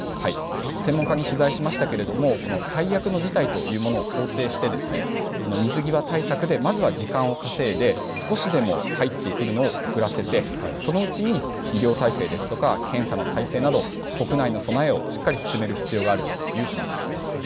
専門家に取材しましたけれども、この最悪の事態というものを想定して、水際対策でまずは時間を稼いで、少しでも入ってくるのを遅らせて、そのうちに医療体制ですとか、検査の体制など、国内の備えをしっかり進める必要があるという話でした。